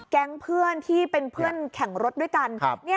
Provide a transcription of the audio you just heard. แก๊งเพื่อนที่เป็นเพื่อนแข่งรถด้วยกัน